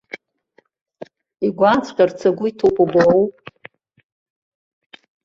Игәааҵәҟьарц агәы иҭоуп убауоу!